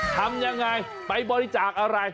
ทำยังไงไปบริจาคอะไร